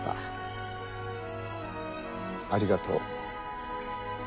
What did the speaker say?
ありがとう。